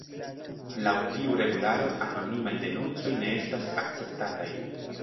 Laŭ tiu regularo, anonimaj denuncoj ne estas akceptataj.